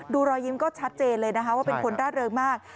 รอยยิ้มก็ชัดเจนเลยนะคะว่าเป็นคนร่าเริงมาก